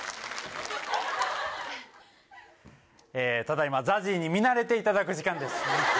ただいま、ＺＡＺＹに見慣れていただく時間です。